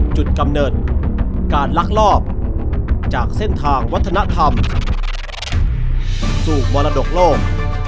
กำเนิดการลักลอบจากเส้นทางวัฒนธรรมสู่มรดกโลก